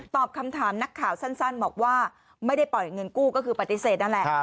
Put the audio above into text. ตอบคำถามนักข่าวสั้นบอกว่าไม่ได้ปล่อยเงินกู้ก็คือปฏิเสธนั่นแหละ